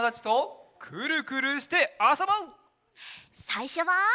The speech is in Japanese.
さいしょは。